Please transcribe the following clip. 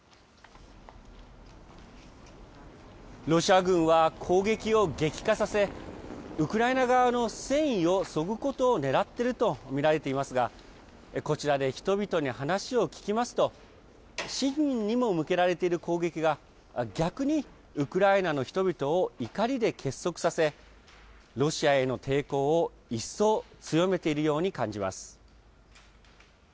ロシア軍は、攻撃を激化させ、ウクライナ側の戦意をそぐことをねらっていると見られていますが、こちらで人々に話を聞きますと、市民にも向けられている攻撃が逆に、ウクライナの人々を怒りで結束させ、ロシアへの抵抗を一層強めているように感じます。